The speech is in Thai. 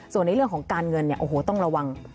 ส่วนในเรื่องของการเงินต้องระวัง